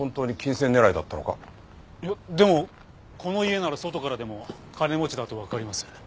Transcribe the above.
いやでもこの家なら外からでも金持ちだとわかります。